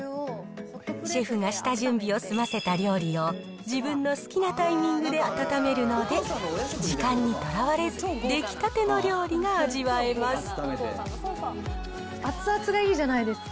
シェフが下準備を済ませた料理を、自分の好きなタイミングで温めるので、時間にとらわれず、熱々がいいじゃないですか。